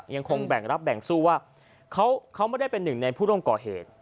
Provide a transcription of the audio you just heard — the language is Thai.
ยังคงแบ่งรับแบ่งสู้ว่าเขาไม่ได้เป็นหนึ่งในผู้ร่วมก่อเหตุ